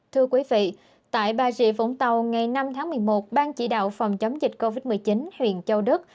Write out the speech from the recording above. thưa quý vị tại bà rịa vũng tàu ngày năm tháng một mươi một ban chỉ đạo phòng chống dịch covid một mươi chín huyện châu đức